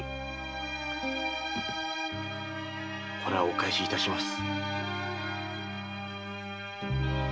これはお返しいたします。